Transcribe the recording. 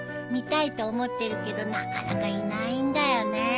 見たいと思ってるけどなかなかいないんだよね。